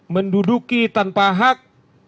menduduki tanpa hak